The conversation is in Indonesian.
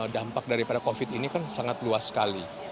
dampak daripada covid ini kan sangat luas ke atas